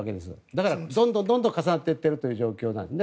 だからどんどん重なっていっているという状況なんです。